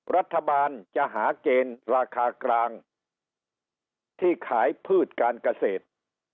รัฐบาลจะหาเกณฑ์ราคากลางที่ขายพืชการเกษตร